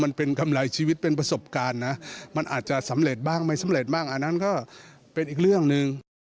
มันอาจจะสำเร็จบ้างไม่สำเร็จบ้างอันนั้นก็เป็นอีกเรื่องหนึ่ง